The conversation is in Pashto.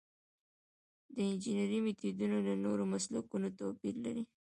د انجنیری میتودونه له نورو مسلکونو توپیر لري.